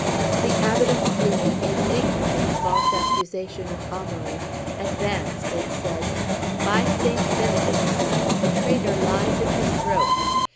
The Abbot of Cluny, indignant at the false accusation of Amaury, advanced, and said, "By Saint Benedict, sire, the traitor lies in his throat.